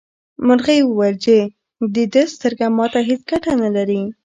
مرغۍ وویل چې د ده سترګه ماته هیڅ ګټه نه لري.